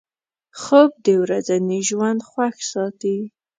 خوب د ورځني ژوند خوښ ساتي